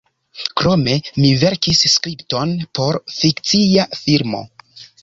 Krome mi verkis skripton por fikcia filmo.